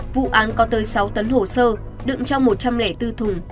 vụ án có tới sáu tấn hồ sơ đựng trong một trăm linh bốn thùng